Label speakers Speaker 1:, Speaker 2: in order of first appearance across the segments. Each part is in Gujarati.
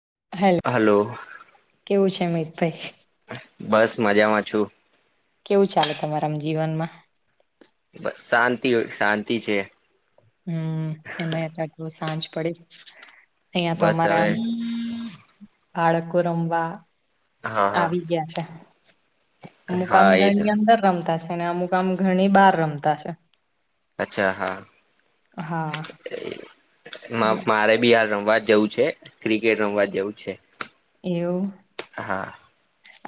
Speaker 1: [inaudible]
Speaker 2: મ તો
Speaker 1: બસ મજામાં છું.
Speaker 2: કેવું ચાલે તમારામ જીવનમાં
Speaker 1: ય શાંતિ છે.
Speaker 2: હમ એમાંટલ સાંજ પડી અહિયાં તો
Speaker 1: બસ
Speaker 2: અમારે
Speaker 1: હવે
Speaker 2: આમ બાળકો રમવા
Speaker 1: હા
Speaker 2: આવી
Speaker 1: હા
Speaker 2: ગયા છે અ
Speaker 1: હા એ
Speaker 2: મુુકામગર
Speaker 1: તો
Speaker 2: ની અંદર રમતા ને અમુક આામ ઘણી બાર રમતા છે.
Speaker 1: અચ્છા હા
Speaker 2: હા
Speaker 1: મારે બી હયાર રમવા જેવું છે ક્રિકેટ રમવા જેવું છે.
Speaker 2: એવું
Speaker 1: હા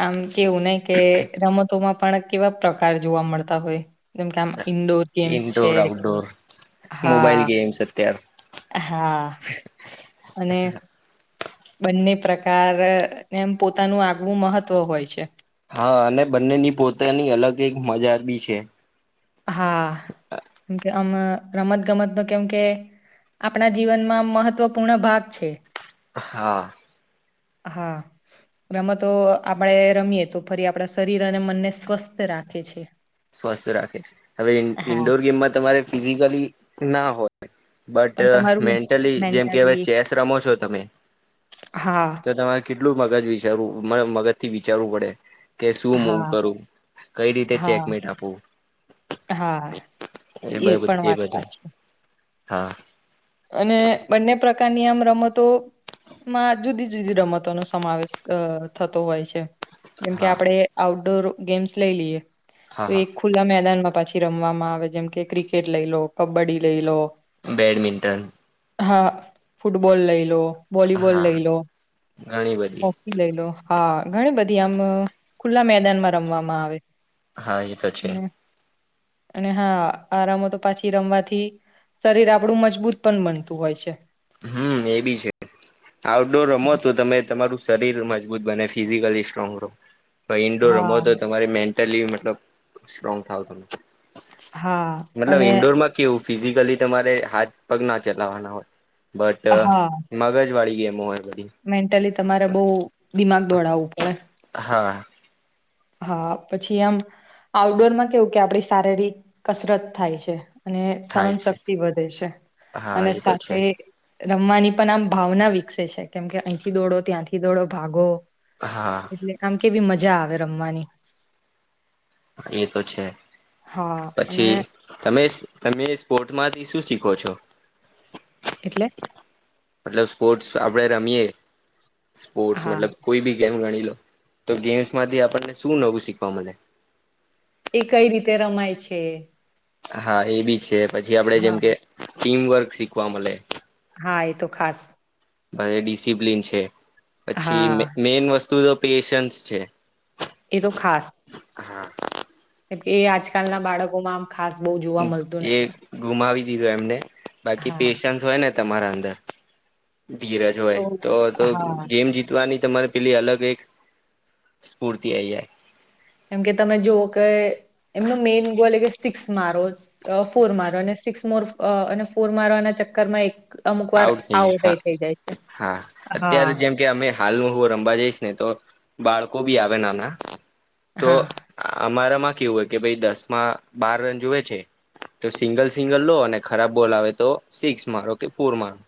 Speaker 2: આમ કેવું નને કે રમતોમાં પણ કેવા પ્રકાર જોવા મળતા હોય. જેમ કે આમ ઇન્ડોર ગેમ્સ છે
Speaker 1: ઇન્ડોર આઉટડોર
Speaker 2: હા.
Speaker 1: મોબાઈલ ગેમ્સ અત્યાર
Speaker 2: હા અને બંને પ્રકાર એમ પોતાનું આગવું મહત્વ હોય છે
Speaker 1: હા અને બંનેની પોતાની અલગ એક મજા બી છે
Speaker 2: હા કેમ કે આમ રમત ગમત નો કેમ કે આપણા જીવનમાં મહત્વપૂર્ણ ભાગ છે
Speaker 1: હા
Speaker 2: હા રમ તો આપડે રમીએ તો ફરી આપણા શરીર અને મનને સ્વસ્થ રાખે છે
Speaker 1: સ્વસ્થ રાખે હવે
Speaker 2: હા
Speaker 1: ઇન્ડોર ગેમમાં તમારે ફિઝિકલી ના હોય બટ
Speaker 2: પણ તમારું
Speaker 1: મેન્ટલી જેમ કે
Speaker 2: મેન્ટલી
Speaker 1: ચેસ રમો છો તમે
Speaker 2: હા
Speaker 1: તો તમારે કેટલું મગજ વિચારવું મગજ થી વિચારવું પડે કે શું મવ
Speaker 2: હા
Speaker 1: કરું કઈ રીતે ચેક
Speaker 2: હા
Speaker 1: આપું
Speaker 2: હા
Speaker 1: એ
Speaker 2: પણ
Speaker 1: એ
Speaker 2: વાત
Speaker 1: બાજું
Speaker 2: સાચી
Speaker 1: હા
Speaker 2: અને બંને પ્રકારની આમ રમતો માં જુદી જુદી રમતો નો સમાવેશ થતો હોય છે જેમકે
Speaker 1: હા
Speaker 2: આપડે આઉટડોર ગેમ્સ લઈ લઈએ
Speaker 1: હા
Speaker 2: તો
Speaker 1: હા
Speaker 2: એક ખુલ્લા મેદાનમાં પાછી રમવામાં આવે જેમ કે ક્રિકેટ લઈ લો કબડ્ડી લઈ લો
Speaker 1: બેડમિન્ટન
Speaker 2: હા ફૂટબોલ લઈ લો વોલીબોલ
Speaker 1: હા
Speaker 2: લઈ લો
Speaker 1: ઘણી બધી
Speaker 2: હોકી લઈ લો હા ઘણી બધી આમ ખુલ્લા મેદાનમાં રમવામાં આવે
Speaker 1: હા એ તો છે
Speaker 2: અને અને હા આરામો તો પાછી રમવાથી શરીર આપડું મજત મજબૂત પણ બનતું હોય છે
Speaker 1: હમ એ બી છે આઉટડોર રમો તો તમે તમારું શરીર મજબૂત બને ફિઝિકલી સ્ટ્રોંગ રહો ઇન્ડોર રમો
Speaker 2: હા
Speaker 1: તો તમા સ્ટ્રો થ
Speaker 2: હા
Speaker 1: મતલબ
Speaker 2: અને
Speaker 1: ઈન્ડોરમાં કેવું ફિઝિકલી તમારે હાથ પગ ના ચલાવવાના હોય બટ
Speaker 2: હા
Speaker 1: મગજ વાળી ગેમ
Speaker 2: મેન્ટલી તમારે બહુ દિમાગ દોડાવવું પડે
Speaker 1: હા
Speaker 2: હા પછી એમ આઉટડોર માં કેવું કે આપડી શારીરિક કસરત થાય છે અને સહન
Speaker 1: થાય છે
Speaker 2: શક્તિ વધે છે
Speaker 1: હા
Speaker 2: અને
Speaker 1: એ તો છે
Speaker 2: સાથે રમવાની પણ આમ ભાવના વિકસે છે કેમ કે અહીંથી દોડો ત્યાંથી દોડો ભાગો
Speaker 1: હા
Speaker 2: એટલે આમ કેવી મજા આવે રમવાની
Speaker 1: એ તો છે
Speaker 2: હા
Speaker 1: પછી
Speaker 2: અને
Speaker 1: તમે તમે સ્પોર્ટમાંથી શું શીખો છો
Speaker 2: એટલે
Speaker 1: મતલબ સ્પોર્ટસ આપડે રમીએ સ્પોર્ટ્સ
Speaker 2: હા
Speaker 1: મતલબ કોઈ બી ગણી લો તો ગેમ્સ માંથી આપણને શું નવું શીખવા મળે
Speaker 2: એ કઈ રીતે રમાય છે
Speaker 1: હા એ બી છે પછી આપડે
Speaker 2: હા
Speaker 1: જેમ કે ટીમવર્ક શીખવા મળે
Speaker 2: હા એ તો ખાસ
Speaker 1: ડિસિપ્લિન છે પછી
Speaker 2: હા
Speaker 1: મેન વસ્તુ તો પેશન્સ છે
Speaker 2: એ તો ખાસ
Speaker 1: હા
Speaker 2: એલે એ આજકાલના બાળકોમાંમ
Speaker 1: એ ગુમાવી દીધો એમને બાકી
Speaker 2: હા
Speaker 1: પેશન્સ હોય ને તમારા અંદર ધીરજ
Speaker 2: તો
Speaker 1: હોય તો
Speaker 2: હા
Speaker 1: ગેમ જીતવાની તમારી પેલી અલગ એક સ્ફૂર્તિ આ જાય
Speaker 2: એમ કે તમે જોુવ કે એમનું મેઈન ગોલ એ કે સિક્સ મારો ફોર મારો સિક્સ મોર અને ફોર મારવાના ચક્કર માં એક અમુક વાર
Speaker 1: આઉટ થઈ જાય
Speaker 2: આઉટઇ
Speaker 1: હા
Speaker 2: થઇ જાય છે.
Speaker 1: હા અત્યારે
Speaker 2: હા.
Speaker 1: જેમ કે અમે હાલનું હું રમવા જઈશ ને તો બાળ બી આવે નાના તો
Speaker 2: હા,
Speaker 1: અમારામાં કેવું હોય કે ભાઈ દસ માં બાર રન જોુવે છે તો સિંગલ સિંગલ લો અને ખરાબ બોલ આવે તો સિક્સ મારો કે ફોર મારો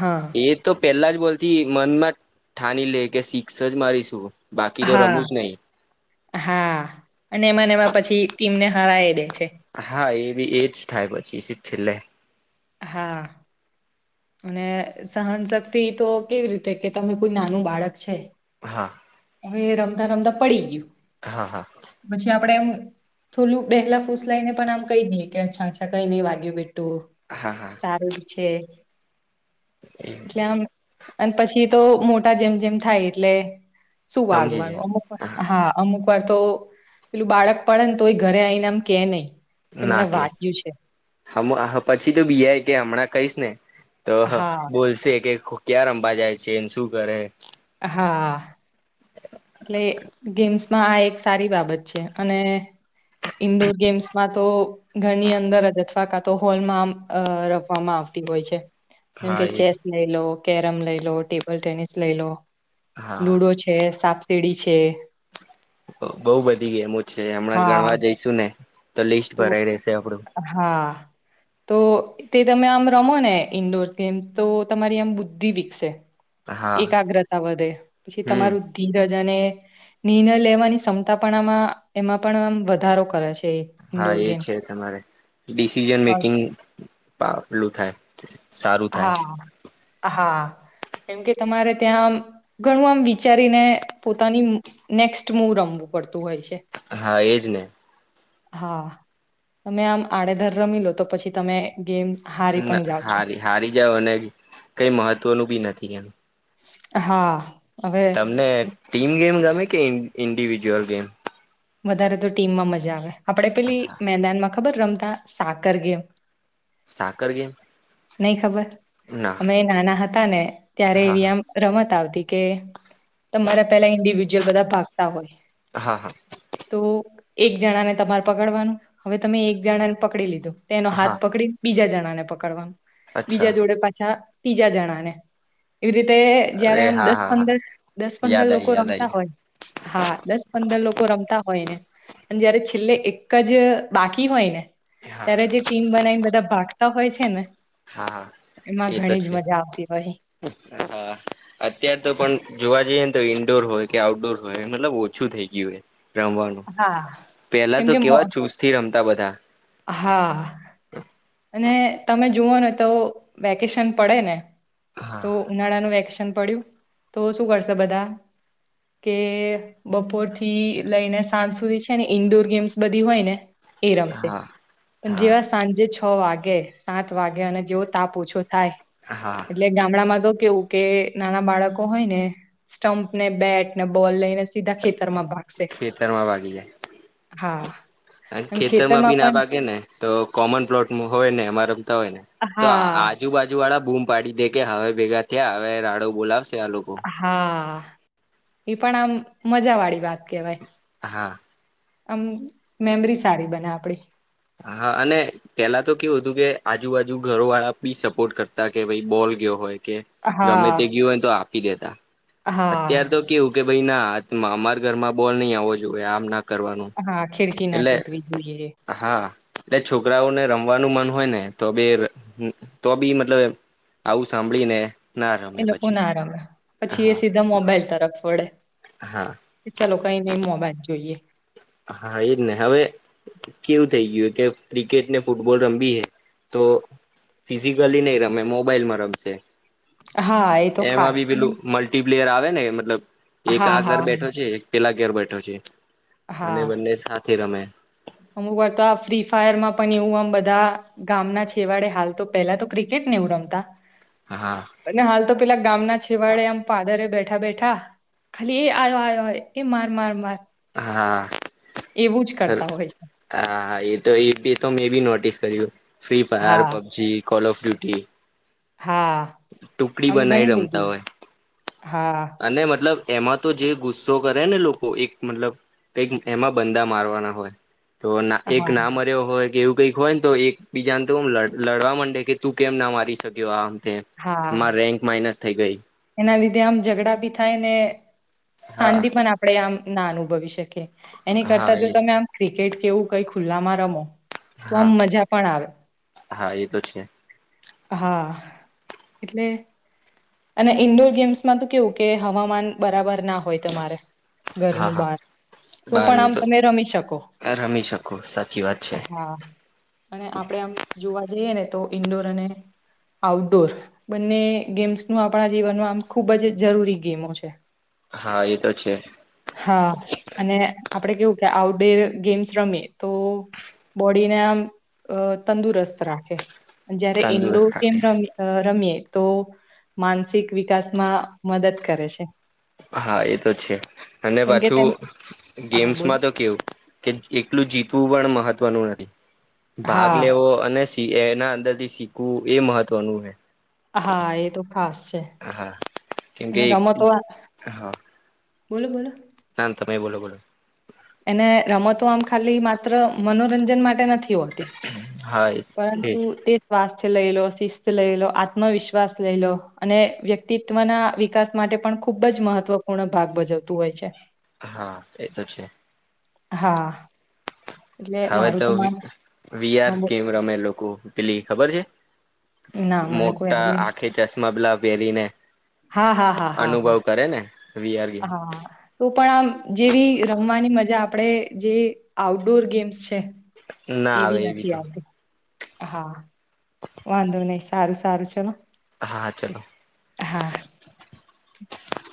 Speaker 2: હા,
Speaker 1: એ તો પેલા જ બોલતી મનમાં ઠાની લે કે શિક્ષ જ મારીશું બાકી તો
Speaker 2: હા
Speaker 1: રમું જ નહીં
Speaker 2: હા અને એમાંને એવા પછી ટીમને હરાય દે છે
Speaker 1: હા એ બી એજ થાય પછી છેલ્લે
Speaker 2: હા અને સહનશક્તિ તો કેવી રીતે કે તમે કોઈ નાનું બાળક છે
Speaker 1: હા
Speaker 2: હવે રમદા રમદા પડી ગયું
Speaker 1: હા હા
Speaker 2: પછી આપડે એમ થોડું બેહેલા ફૂસલાઈ ને પણ આમ કહી દઈએ કે અચ્છા અચ્છા કઈ નઈ વાગ્યું બેઠું
Speaker 1: હા હા
Speaker 2: સારું જ છે
Speaker 1: એ
Speaker 2: એટલે આમ અને પછી તો મોટા જેમ જેમ થાય એટલે શું
Speaker 1: સમજી
Speaker 2: વાગવાનું અમુક
Speaker 1: જાય
Speaker 2: હા અમુક ઉપ તો પેલું બાળક પડે ને તો ઘરે આવીઈને આમ કે નહીિ
Speaker 1: ના કે હ પછી તો બીઆ કે હમણાં કહીશ ને તો
Speaker 2: હા
Speaker 1: બોલશે કે ક્યા રમવાા જાય છે એને શું કરે
Speaker 2: હા એટલે ગેમ્સમાં આ એક સારી બાબત છે અને ઈન્ડોર ગેમ્સમાં તો ઘરની અંદર જ અથવા કા તો હોલમાં રમવામાં આવે હોય છે જેમ
Speaker 1: હા
Speaker 2: કે
Speaker 1: એ
Speaker 2: ચેસ લઈ લો કેરમ લઈ લો ટેબલ ટેનિસ લઈ લો લુડો છે સાપ સીડી છે
Speaker 1: બહ બધી ગેમો છે હમણાં
Speaker 2: હા
Speaker 1: ગણવા જઈશું ને લિસ્ટ
Speaker 2: તો
Speaker 1: ભરાઈ રહેશે આપડું
Speaker 2: હા તો તે તમે આમ રમો ને ઇન્ડોર ગેમ્સ તો તમારી આમ બુદ્ધિ વિકસે
Speaker 1: હા
Speaker 2: એકાગ્રતા વધે પછી
Speaker 1: હમ
Speaker 2: તમારું ધીરજને નિર્ણય લેવાની ક્ષમતાપણામાં એમાં પણ આ વધારો કરે છે
Speaker 1: હા
Speaker 2: ઇન્ડોર
Speaker 1: એ
Speaker 2: ગેમ્સ.
Speaker 1: છે તમારે ડિસિઝન
Speaker 2: હા
Speaker 1: મેકિંગ પાલું થાય સારું થાય
Speaker 2: હા કેમકે તમારે ત્યાં આમ ઘણું આમ વિચારીને પોતાની નેક્સ્ટ મવ રમવું પડત
Speaker 1: હા એજ ને
Speaker 2: હા તમે આમ આડેધર રમી લો તો પછી તમે ગેમ હારી
Speaker 1: ને
Speaker 2: પણ જાાવ છો
Speaker 1: હારી હારી અને કઈ મહત્વનુંું બી નથી એનું
Speaker 2: હા હવે
Speaker 1: તમને ટીમ ગેમ ગમે કે ઇન્ડિવિજ્યુઅલ ગેમ
Speaker 2: વધારે તો ટીમમાં મજા આવે આપણેે પેલી મેદાનમાં ખબર રમતા સાકર ગેમ
Speaker 1: સાકર ગેમ
Speaker 2: નઈ ખબર
Speaker 1: ના
Speaker 2: અમે એ નાના હતા ને ત્યારે
Speaker 1: હા
Speaker 2: એવી
Speaker 1: હા
Speaker 2: આમ રમત આવતી કે તમારા પેલા ઇન્ડિવિજ્યુઅલ બધા ભાગતા હોય
Speaker 1: હા હા
Speaker 2: તો એક જણા ને તમારે પકડવાનું હવે તમે એક જણા ને પકડી લીધો તેનો હાથ
Speaker 1: હા
Speaker 2: પકડી બીજા જણા ને પકડવાનું બીજા
Speaker 1: અચ્છા
Speaker 2: જોડે પાછા ત્રીજા જણા ને એવી રીતે જયારે
Speaker 1: અરે
Speaker 2: આમ
Speaker 1: હા
Speaker 2: દસ
Speaker 1: હા હા
Speaker 2: પંદર દસ પંદર
Speaker 1: યાદ આવી
Speaker 2: લોકો
Speaker 1: યાદ
Speaker 2: રમતા
Speaker 1: આવી
Speaker 2: હોય હા દસ પંદર લોકો હોય ને જયારે છેલ્લે એક જ બાકી હોય ને
Speaker 1: હા
Speaker 2: ત્યારે જે ટીમ બનાવીને બધા ભાગતા હોય છે ને
Speaker 1: હા હા
Speaker 2: એમાં
Speaker 1: એ તો
Speaker 2: ઘણી જ
Speaker 1: છે
Speaker 2: મજા આવતી હો
Speaker 1: હા અત્યાર તો પણ જોવા જઈએ ને તો ઈન્ડોર હોય કે આઉટડોર હોય મતલબ ઓછું થઈ ગયું હોય રમવાનું
Speaker 2: હા
Speaker 1: પેલા
Speaker 2: કેમ
Speaker 1: તો
Speaker 2: કે મો
Speaker 1: કેવા ચુસથી રમતા બધા
Speaker 2: હા અને તમે જુઓને તો વેકેશન પડે ને તો
Speaker 1: હા
Speaker 2: ઉનાળાનું વેકેશન પડ્યું તો શું કરશે બધા કે બપોર થી લઈને સાંજ સુધી છે ને ઈન્ડોર ગેમ્સ બધી હોય ને એ રમશે
Speaker 1: હા હા
Speaker 2: જેવા સાંજે છ વાગે સાત વાગે અને જેવો તાપ ઓછો થાય
Speaker 1: હા
Speaker 2: એટલે ગામડામાં તો કેવું કે નાના બાળકો હોય ને સ્ટમ્પ ને બેટ ને બોલ લઈને સીધા ખેતર માં બાાગ
Speaker 1: ખેતરમાં વાગી જાય
Speaker 2: હા અને
Speaker 1: ખેતર માં
Speaker 2: ખેતરમાં
Speaker 1: બી ના
Speaker 2: પણ
Speaker 1: ભાગે ને તો કોમન પ્લોટ હોય ને અમારા હોય ને તો
Speaker 2: હા
Speaker 1: આજુબાજુ વાળા બૂમ પાડી દે કે હવે ભેગા થયા હવે રાડો બોલાવશે આ લોકો
Speaker 2: હા એ પણ આમ મજા વાળી વાત કેવાય
Speaker 1: હા
Speaker 2: આમ મેમરી સારી બને આપડી
Speaker 1: આજુબજુ ઘરો વાળા બી સપોર્ટ કરતા કે ભાઈ બોલ ગયો હોય કે ગમે તે
Speaker 2: હા
Speaker 1: ગયું હોય તો આપ દેતા અત્યારે
Speaker 2: હા
Speaker 1: તો કેવું કે ભાઈ ના અમારા ઘરમાં બોલ નહી આવો જોઈએ આમ કરવાનું
Speaker 2: હા ખિડકી ના ટૂટવી જોઈએ
Speaker 1: એટ છોકરાઓને રમવાનું મન હોય ને તો બી તો બી મતલબ આવું સાંભળી ને
Speaker 2: એ લોકો ના આરામ પછી એ સીધા મોબાઈલ તરફ વળે
Speaker 1: હા
Speaker 2: ચાલો કઈ નઈ મોબાઈજ જોઈએ
Speaker 1: હા એજ ને હવે કેવું થઈ ગયું હત કે ક્રિકેટ ને ફુટબોલ રંભી હૈ તો ફિઝિકલી નહી રમે મોબાઈલમાં રમશે
Speaker 2: હા એ તો
Speaker 1: એમાં
Speaker 2: ખાસ
Speaker 1: બી
Speaker 2: અને
Speaker 1: પેલું મલ્ટ પ્લેયર આવે ને મતલબ એક
Speaker 2: હા
Speaker 1: આ ઘર
Speaker 2: હા
Speaker 1: બેઠો છે એક પેલા ઘર બેઠો છે અને
Speaker 2: હા
Speaker 1: બંને સાથે રમે
Speaker 2: અમુક વાર તો આ ફ્રી ફાયર માં પણ એવું આમ બધા ગામના છેવાડે હાલ તો પેલા તો ક્રિકેટ વ રમતા
Speaker 1: હા
Speaker 2: અને હાલ તો પેલા ગામ ના છેવાડે આમ પાદરે બેઠા બેઠા બેઠા ખાલી એ આયો આ્યો હોય એ માર માર માર
Speaker 1: હા
Speaker 2: એવું જ
Speaker 1: હા
Speaker 2: કરતા હોય છે.
Speaker 1: હા એ તો એ તો મેં બી નોટિસ કર્યું ફ્રી ફાયર
Speaker 2: હા,
Speaker 1: પબજીી કોલ ઓફ ડ્યુટી
Speaker 2: હા
Speaker 1: ટુકડી
Speaker 2: આમ
Speaker 1: બનાવી
Speaker 2: ઘણી
Speaker 1: રમતા
Speaker 2: બધી
Speaker 1: હોય
Speaker 2: હા,
Speaker 1: અને મતલબ એમાં તો જે ગુસ્સો કરે ને લોકો એક મતલબ કઈક એમાં બંદા મારવાના હોય તો એક
Speaker 2: હા,
Speaker 1: ના મર્યો હોય કે એવું કઈક હોયને તો એક બીજાને તો લડવા માંડે કે તું કેમ ના મારી શક્યો આમ
Speaker 2: હા
Speaker 1: મારી રેન્ક માઈનસ થઈ ગઈ
Speaker 2: એના લીધે આમ ઝઘડા ભી થાય ને
Speaker 1: હા
Speaker 2: શાંતિ પણ આપણેે આમ ના અનુભવી શકે એની
Speaker 1: હા
Speaker 2: કરતા જો
Speaker 1: એ
Speaker 2: તમે આમ ક્રિકેટ કેવું કઈ ખુલ્લામાં રમો તો આમ
Speaker 1: હા
Speaker 2: મજા પણ આવે
Speaker 1: હા એ તો છે
Speaker 2: હા એટલે અને ઇન્ડોર ગેમ્સમાં તો કેવું કે હવામાન બરાબર ના હોય તમારે
Speaker 1: હા
Speaker 2: ઘરનું
Speaker 1: હા
Speaker 2: બહાર તો પણ આમ તમે રમી શકો
Speaker 1: રમી શકો સાચી વાત છે
Speaker 2: હા અને આપડે આમ જોવા જઈએ ને તો ઈન્ડોર અને આઉટડોર બંને ગેમ્સ આપણા જીનમાં આમ ખુબ જ જરૂરી ગેમો છે
Speaker 1: હા એ તો છે
Speaker 2: હા અને આપડે કેવું આટઉડોર ગેમ્સ રમે તો બોડીને આમ તંદુરસ્ત રાખે જયારે ઇન્ડોર
Speaker 1: તંદુરસ્ત
Speaker 2: ગેમ
Speaker 1: રાખે
Speaker 2: રમીએ તો માનસિક વિકાસ માં મદદ કરે છે
Speaker 1: હા એ તો છે અને
Speaker 2: કેમ કે
Speaker 1: પાછું
Speaker 2: તેમ હા
Speaker 1: ગેમ્સ
Speaker 2: બોલો
Speaker 1: માં તો કેવું કે એકલું જીતવું પણ ભાગ
Speaker 2: હા
Speaker 1: લેવો અને એના અંદર થી શીખવું એ મહત્વનું હે
Speaker 2: હા એ તો ખાસ છે અને
Speaker 1: કેમકે
Speaker 2: રમતો આ
Speaker 1: હા
Speaker 2: બોલો બોલો
Speaker 1: ના તમેય બોલો બોલો
Speaker 2: એને રમતો આમ ખાલી માત્ર મનોરંજન માટે નથી હોતી
Speaker 1: હા એ
Speaker 2: પરંતુ તે શિસ્ત લઈ લો આત્મવિશ્વાસ લઈ લો અને વ્યક્તિત્વના વિકાસ માટે પણ ખુબ જ મહત્વપૂર્ણ ભાગ ભજવતું હોય છે
Speaker 1: હા એ તો છે
Speaker 2: હા એટલે
Speaker 1: હવે
Speaker 2: મારું
Speaker 1: તો
Speaker 2: માન
Speaker 1: વીઆર
Speaker 2: હા, બો
Speaker 1: ગેમ્સ રમે લોકો પેલી ખબર છે
Speaker 2: ના મને કોઈ
Speaker 1: મોટા
Speaker 2: આઈડિયા નથી.
Speaker 1: આખે ચશ્માબલા પહેરીને
Speaker 2: હા હા હા હા હા
Speaker 1: અનુભવ કરે ને વીઆર ગેમ
Speaker 2: હા પણ આમ જેવી રમવાની મજા આપડે જે આઉટડોર ગેમ્સ છે
Speaker 1: ના આવે
Speaker 2: એવી નથી
Speaker 1: તો
Speaker 2: આવતી હા વાંધો નહી સારું સારું ચલો
Speaker 1: હા હા ચાલો
Speaker 2: [inaudible]